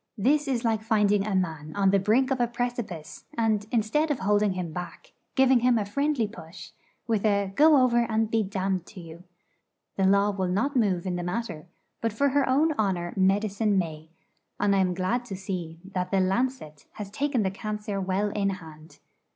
This is like finding a man on the brink of a precipice, and, instead of holding him back, giving him a friendly push, with a 'Go over and be damned to you!' The Law will not move in the matter; but for her own honour Medicine may; and I am glad to see that the 'Lancet' has taken the cancer well in hand.